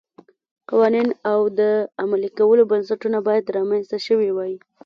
قوانین او د عملي کولو بنسټونه باید رامنځته شوي وای.